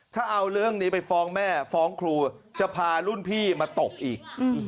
ถ้าเอาเรื่องนี้ไปฟ้องแม่ฟ้องครูจะพารุ่นพี่มาตบอีก